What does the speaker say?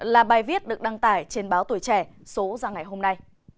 là bài viết được đăng tải trên báo tuổi trẻ số ra ngày hôm nay